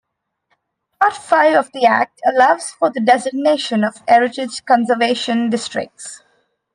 Part Five of the "Act" allows for the designation of heritage conservation districts.